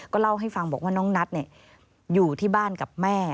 เล่าให้ฟังบอกว่าน้องนัทอยู่ที่บ้านกับแม่